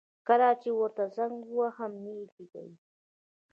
کله چي ورته زنګ وهم نه يي جګوي